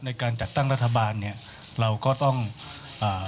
ในการจัดตั้งรัฐบาลเนี้ยเราก็ต้องอ่า